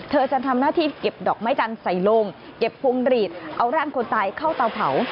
เธอจะทำหน้าที่เก็บดอกไม้จันทร์ใส่ลงเก็บพวงหลีดเอาร่างคนตายเข้าเตาเผา